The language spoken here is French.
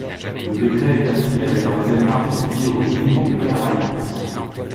Le décret est appliqué avec un zèle particulier aux Juifs et aux Karaïtes.